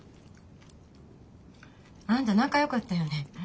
あんた仲よかったよね？